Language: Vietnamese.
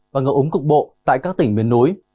và ngập ống cục bộ tại các tỉnh miền núi